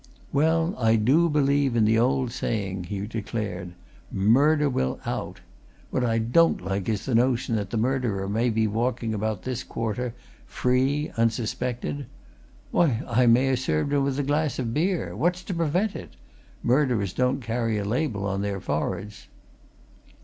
"Well, I believe in the old saying," he declared. "Murder will out! What I don't like is the notion that the murderer may be walking about this quarter, free, unsuspected. Why, I may ha' served him with a glass of beer! What's to prevent it? Murderers don't carry a label on their foreheads!"